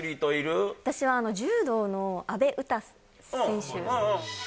私は柔道の阿部詩選手。